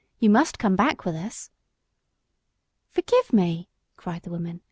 You must come back with us." "Forgive me," cried the woman.